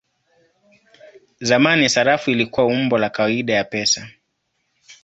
Zamani sarafu ilikuwa umbo la kawaida ya pesa.